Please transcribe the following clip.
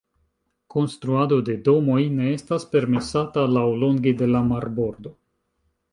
Konstruado de domoj ne estas permesata laŭlonge de la marbordo.